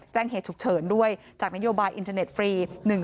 แจ้งเหตุฉุกเฉินด้วยจากนโยบายอินเทอร์เน็ตฟรี